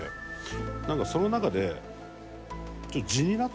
なんかその中で。